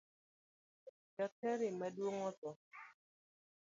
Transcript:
Daktari maduong otho